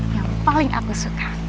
yang paling aku suka